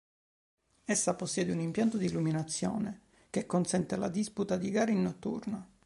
Essa possiede un impianto di illuminazione che consente la disputa di gare in notturna.